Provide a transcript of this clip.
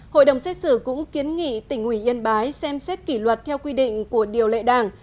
hội đồng xét xử cũng kiến nghị tỉnh ủy yên bái xem xét kỷ luật theo quy định của điều lệ đảng